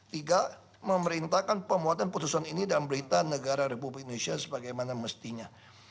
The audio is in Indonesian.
tiga memerintahkan pemuatan putusan ini dalam berita negara republik indonesia sebagaimana mestinya